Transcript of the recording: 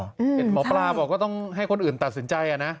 เห็นหมอปลาบอกว่าต้องให้คนอื่นตัดสินใจนะ